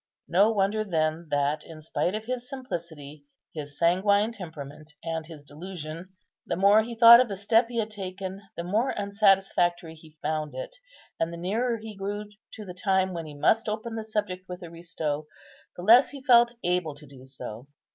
No wonder then, that, in spite of his simplicity, his sanguine temperament, and his delusion, the more he thought of the step he had taken, the more unsatisfactory he found it, and the nearer he grew to the time when he must open the subject with Aristo, the less he felt able to do so.